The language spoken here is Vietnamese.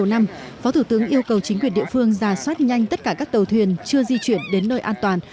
tại đây phó thủ tướng yêu cầu chính quyền địa phương ra soát nhanh tất cả các tàu thuyền chưa di chuyển đến nơi an toàn